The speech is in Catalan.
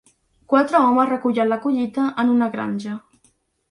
Quatre homes recullen la collita en una granja.